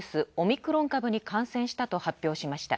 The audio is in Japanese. クロン株に感染したと発表しました。